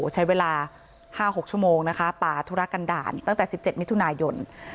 ใช้เวลา๕๖ชั่วโมงนะคะป่าธุระกันด่านตั้งแต่๑๗มิถุนายน